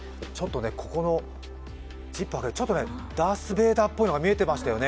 ここのジッパーを、ダース・ベイダーっぽいのが見えてましたよね。